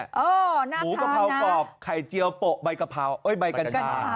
อ๋อน่าทานนะหมูกะเพรากรอบไข่เจียวโปะใบกะเพราอุ้ยใบกัญชา